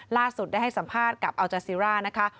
ล่าสุดได้ให้สัมภาษณ์กับอัลจาซีร่านะคะ